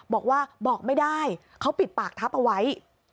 บอกว่าบอกไม่ได้เขาปิดปากทับเอาไว้